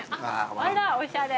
あらおしゃれ。